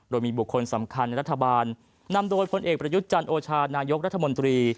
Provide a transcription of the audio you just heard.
โดยมีบุคคลสำคัญในรัฐบาลนำโดยพลเอกประยุทธ์จันโอชานายกรัฐมนตรี